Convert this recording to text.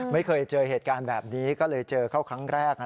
ไม่เคยเจอเหตุการณ์แบบนี้ก็เลยเจอเข้าครั้งแรก